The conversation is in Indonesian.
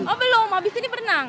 oh belum habis ini berenang